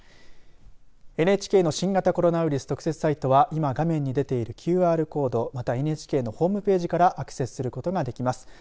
ＮＨＫの新型コロナウイルス特設サイトは今、画面に出ているＱＲコードからまたは、ＮＨＫのホームページからアクセスすることができます。